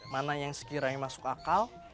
mana yang sekiranya masuk akal